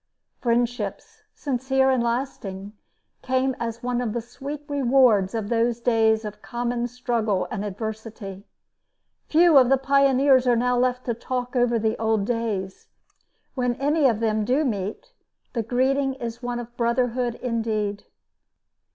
Friendships, sincere and lasting, came as one of the sweet rewards of those days of common struggle and adversity. Few of the pioneers are now left to talk over the old days; when any of them do meet, the greeting is one of brotherhood indeed.